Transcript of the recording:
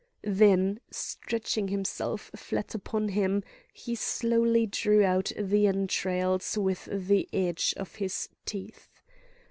Then, stretching himself flat upon him, he slowly drew out the entrails with the edge of his teeth.